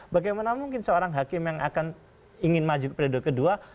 bagaimana mungkin seorang hakim yang akan ingin maju periode kedua